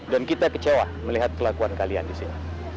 dan kita kecewa melihat kelakuan kalian di sini